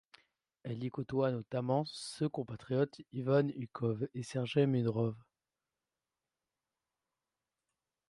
Elle y côtoie notamment se compatriotes Ivan Ukhov et Sergey Mudrov.